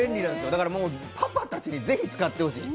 だからもう、パパたちに、ぜひ使ってほしい。